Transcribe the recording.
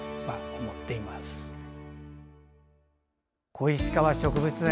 小石川植物園